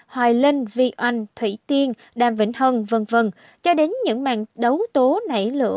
hoài linh vy anh thủy tiên đàm vĩnh hân v v cho đến những mạng đấu tố nảy lửa